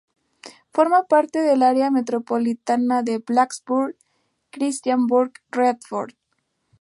Forma parte del área metropolitana de Blacksburg–Christiansburg–Radford.